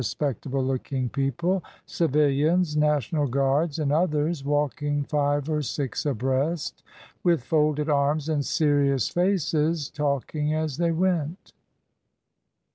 spectable looking people, civilians, National Guards, and others, walking five or six abreast, with folded arms and serious faces, talking as they went.